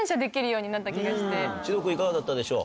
獅童君いかがだったでしょう？